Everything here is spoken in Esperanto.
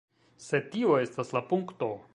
Sed tio estas la punkto.